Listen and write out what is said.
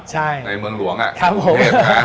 ในเมืองหลวงอ่ะมุรุงเทศ